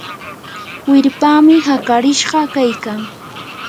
wirpami hakarishqa kaykan.